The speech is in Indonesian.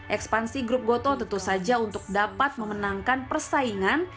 ekspansi grup gotoh tentu saja untuk dapat memenangkan persaingan